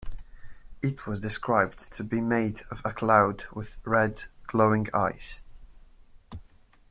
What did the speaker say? It was described to be made of a cloud with red glowing eyes.